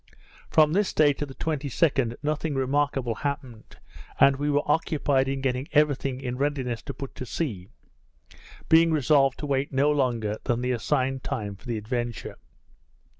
From this day to the 22d nothing remarkable happened, and we were occupied in getting every thing in readiness to put to sea, being resolved to wait no longer than the assigned time for the Adventure.